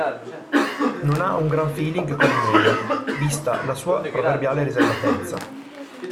Non ha un gran feeling con i media, vista la sua proverbiale riservatezza.